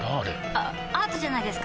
あアートじゃないですか？